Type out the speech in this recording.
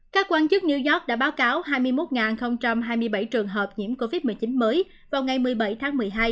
các quan chức new york đã báo cáo hai mươi một hai mươi bảy trường hợp nhiễm covid một mươi chín mới vào ngày một mươi bảy tháng một mươi hai